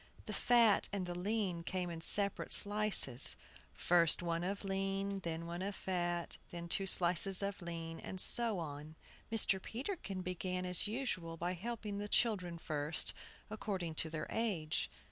The fat and the lean came in separate slices, first one of lean, than one of fat, then two slices of lean, and so on. Mr. Peterkin began as usual by helping the children first, according to their age.